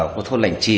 của thôn lãnh trì